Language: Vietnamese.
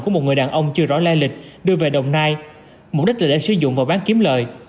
của một người đàn ông chưa rõ lai lịch đưa về đồng nai mục đích là để sử dụng và bán kiếm lời